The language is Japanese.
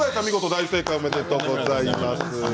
大正解おめでとうございます。